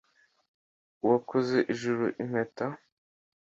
wakoze ijuru impeta